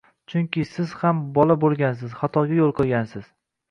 Chunki siz ham bola bo‘lgansiz, xatoga yo‘l qo‘ygansiz.